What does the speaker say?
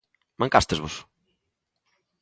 Mancástesvos?